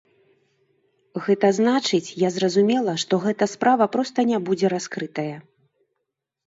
Гэта значыць, я зразумела, што гэта справа проста не будзе раскрытая.